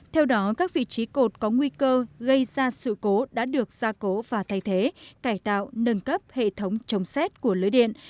theo đó các vị trí cột có nguy cơ gây ra sự cố đã được gia cố và thay thế cải tạo nâng cấp hệ thống chống xét của lưới điện